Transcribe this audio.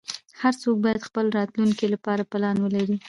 هر څوک باید خپل راتلونکې لپاره پلان ولری